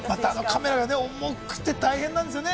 カメラ重くて大変なんですよね。